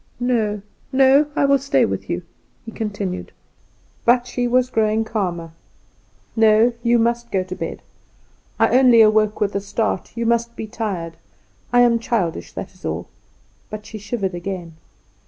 "No, no; I will stay with you," he continued. But she was growing calmer. "No, you must go to bed. I only awoke with a start; you must be tired. I am childish, that is all;" but she shivered again.